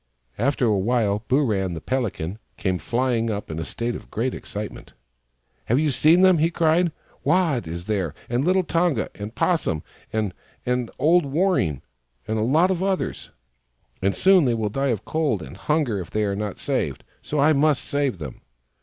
After awhile, Booran, the Pelican, came flying up, in a state of great excitement. " Have you seen them ?" he cried. " Waat is there, and little Tonga, the 'Possum, and old THE FROG THAT LAUGHED 129 Warreen, and a lot of others ; and soon they will die of cold and hunger if they are not saved. So I must save them."